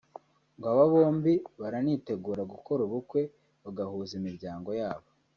ngo aba bombi baranitegura gukora ubukwe bagahuza imiryango yabo